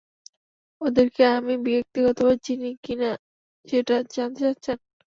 ওদেরকে আমি ব্যক্তিগতভাবে চিনি কি না, সেটা জানতে চাচ্ছেন?